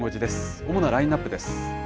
主なラインナップです。